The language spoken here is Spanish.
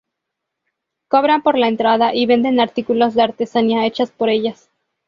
Cobran por la entrada y venden artículos de artesanía hechas por ellas.